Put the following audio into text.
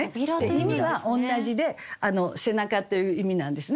意味は同じで「背中」という意味なんですね。